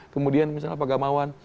kemudian misalnya pak gamawan